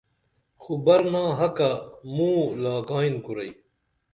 خو برناحقہ مو لاکیئن کُرئی